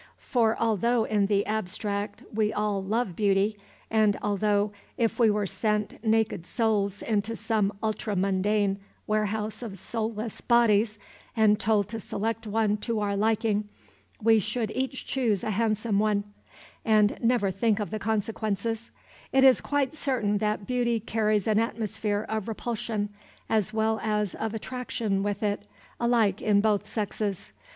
For, although in the abstract we all love beauty, and although, if we were sent naked souls into some ultramundane warehouse of soulless bodies and told to select one to our liking, we should each choose a handsome one, and never think of the consequences, it is quite certain that beauty carries an atmosphere of repulsion as well as of attraction with it, alike in both sexes.